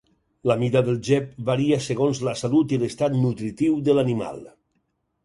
La mida del gep varia segons la salut i l'estat nutritiu de l'animal.